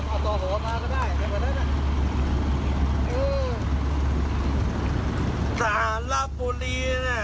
มึงรู้จักฐานหลาปลาบุรีไหม